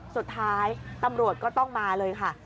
สุดท้ายตำรวจก็ต้องมาเลยค่ะ